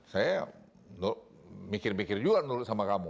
saya mikir mikir juga dulu sama kamu